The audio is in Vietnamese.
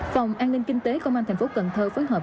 phòng an ninh kinh tế công an thành phố cần thơ phối hợp